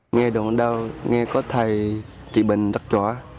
nghe đồn đau nghe có thầy trị bệnh rất rõ